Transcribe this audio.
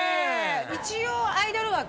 一応アイドル枠？